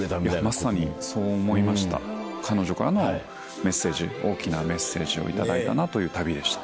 まさにそう思いました彼女からのメッセージ大きなメッセージを頂いたなという旅でした。